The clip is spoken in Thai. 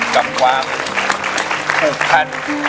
กับความผูกพัน